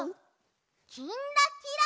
「きんらきら」。